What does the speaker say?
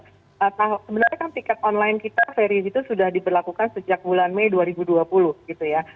sebenarnya kan tiket online kita ferry itu sudah diberlakukan sejak bulan mei dua ribu dua puluh gitu ya